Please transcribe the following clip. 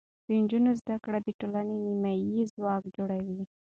د نجونو زده کړه د ټولنې نیمایي ځواک جوړوي.